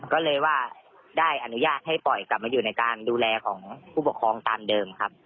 ก็เลยว่าได้อนุญาตให้ปล่อยกลับมาอยู่ในการดูแลของผู้ปกครองตามเดิมครับ